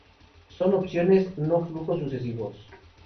Son opciones, no flujos sucesivos.